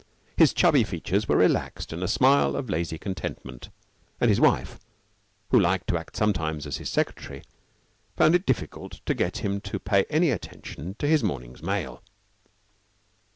His chubby features were relaxed in a smile of lazy contentment; and his wife, who liked to act sometimes as his secretary, found it difficult to get him to pay any attention to his morning's mail.